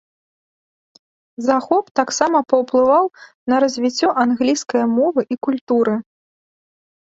Захоп таксама паўплываў на развіццё англійскае мовы і культуры.